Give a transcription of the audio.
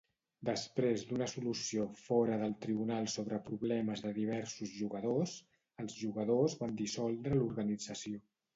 Després d'una solució fora del tribunal sobre problemes de diversos jugadors, els jugadors van dissoldre l'organització.